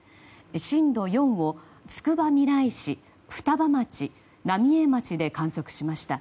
震度４をつくばみらい市、双葉町浪江町で観測しました。